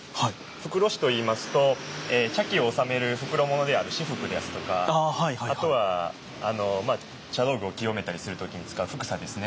袋師といいますと茶器をおさめる袋物である仕覆ですとかあとは茶道具を清めたりする時に使う帛紗ですね。